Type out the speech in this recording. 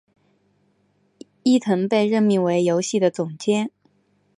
伊藤被任命为游戏的总监。